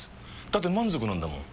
だって満足なんだもん。